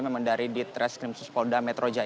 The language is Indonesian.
memang dari di tres krim